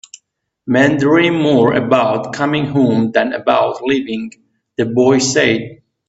"Men dream more about coming home than about leaving," the boy said.